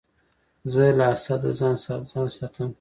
زه له حسده ځان ساتم.